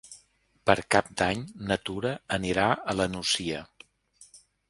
Per Cap d'Any na Tura anirà a la Nucia.